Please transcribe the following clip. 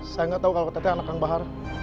saya nggak tahu kalau ott anak kang bahar